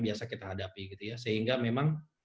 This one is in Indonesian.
biasa kita hadapi sehingga memang